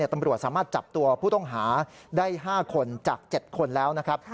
ตำรวจสามารถจับตัวผู้ต้องหาได้๕คนจาก๗คนแล้วนะครับ